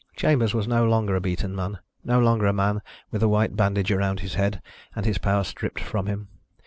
Chambers was no longer a beaten man, no longer a man with a white bandage around his head and his power stripped from him.